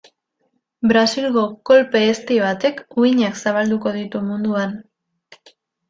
Brasilgo kolpe ezti batek uhinak zabalduko ditu munduan.